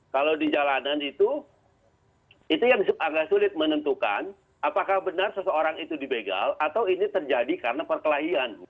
kalau di jalanan itu itu yang agak sulit menentukan apakah benar seseorang itu dibegal atau ini terjadi karena perkelahian